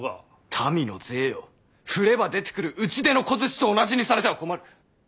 民の税を振れば出てくる打ち出の小槌と同じにされては困る。